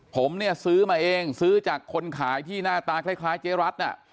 ผมเนี่ยซื้อมาเองซื้อจากคนขายที่หน้าตาคล้ายเจ๊รัฐน่ะ